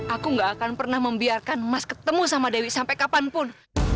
aku gak akan pernah membiarkan mas ketemu sama dewi sampai kapanpun